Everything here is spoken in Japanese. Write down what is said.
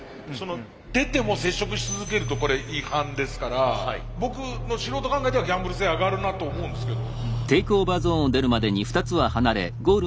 出ても接触し続けるとこれ違反ですから僕の素人考えではギャンブル性上がるなと思うんですけど。